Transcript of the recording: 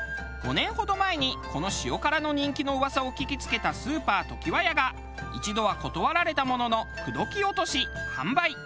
５年ほど前にこの塩辛の人気の噂を聞き付けたスーパーときわやが一度は断られたものの口説き落とし販売。